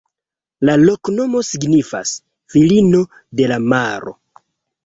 La loknomo signifas: filino de la maro.